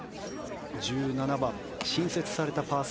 １７番、新設されたパー３。